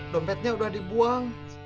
dompetnya udah dibuang